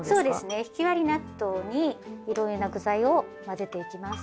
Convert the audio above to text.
納豆にいろいろな具材を混ぜていきます。